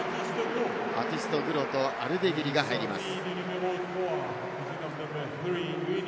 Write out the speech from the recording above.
バティスト・グロとアルデゲリが入ります。